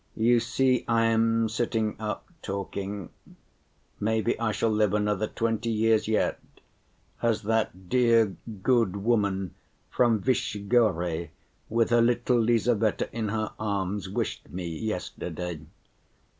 "You see I am sitting up talking; maybe I shall live another twenty years yet, as that dear good woman from Vishegorye, with her little Lizaveta in her arms, wished me yesterday.